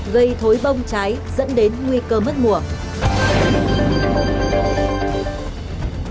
gây thối bông cháy dẫn đến nguy cơ mất mùa